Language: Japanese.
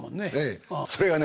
それがね